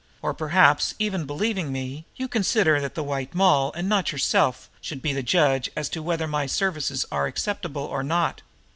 Or perhaps, even believing me, you consider that the White Moll, and not yourself, should be the judge as to whether my services are acceptable or not?"